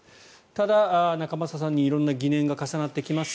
ただ、仲正さんに色んな疑念が重なってきます。